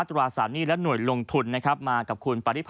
ตราสารหนี้และหน่วยลงทุนนะครับมากับคุณปริพา